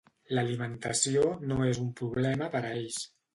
L'alimentació no és un problema per a ells.